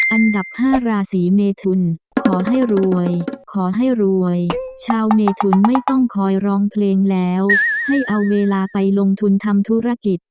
อันดับ๕ราศีเมทุนขอให้รวยขอให้รวยชาวเมทุนไม่ต้องคอยร้องเพลงแล้วให้เอาเวลาไปลงทุนทำธุรกิจ